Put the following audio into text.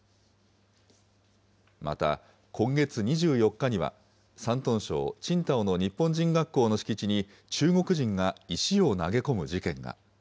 また、今月２４日には、山東省青島の日本人学校の敷地に中国人が石を投げ込む事件が。